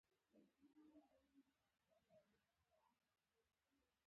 په لنډ وخت کې درې لاس تړلي کسان راوستل شول.